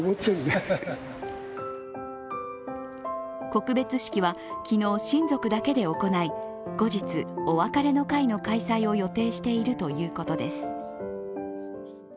告別式は昨日、親族だけで行い、後日、お別れの会の開催を予定しているということです。